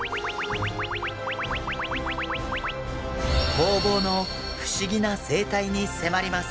ホウボウの不思議な生態に迫ります！